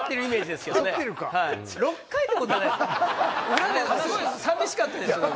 裏ですごい寂しかったですよ。